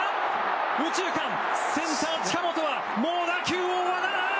右中間、センター、近本はもう打球を追わない！